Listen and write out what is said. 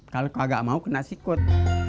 kalau kagak mau kena sikut